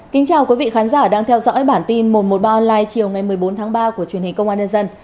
kính chào quý vị khán giả đang theo dõi bản tin một trăm một mươi ba online chiều ngày một mươi bốn tháng ba của truyền hình công an nhân dân